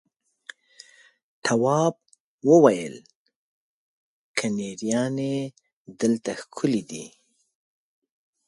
تواب وويل: کنریانې دلته ښکلې دي.